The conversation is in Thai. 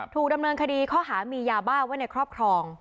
ถูกดำเนินคดีข้อหามียาบ้าไว้ในครอบครอง